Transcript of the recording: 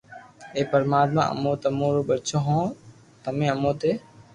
اي پرماتما امون تمو رو ٻچو ھون تمو مون